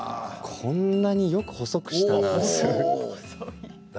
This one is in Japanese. こんなによく細くしたな。